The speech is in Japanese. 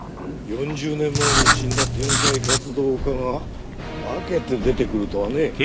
４０年前に死んだ天才活動家が化けて出てくるとはね。